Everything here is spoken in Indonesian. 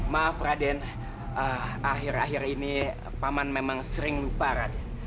maaf raden akhir akhir ini paman memang sering lupa raden